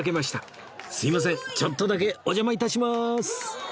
すいませんちょっとだけお邪魔致します！